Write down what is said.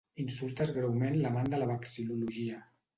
Insultes greument l'amant de la vexil·lologia.